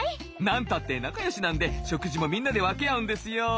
なんたって仲よしなんで食事もみんなで分け合うんですよ。